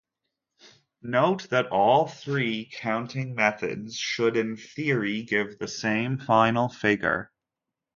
Note that all three counting methods should in theory give the same final figure.